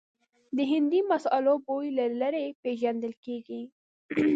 د هندي مسالو بوی له لرې پېژندل کېږي.